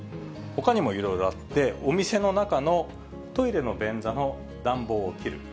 ほかにもいろいろあって、お店の中のトイレの便座の暖房を切る。